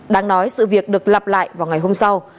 đáng nói sự việc được lặp lại vào ngày hôm sau